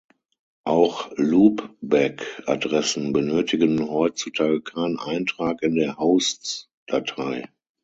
Auch Loopback-Adressen benötigen heutzutage keinen Eintrag in der Hosts-Datei.